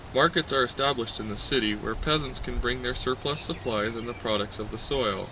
Markets are established in the city where peasants can bring their surplus supplies and the products of the soil.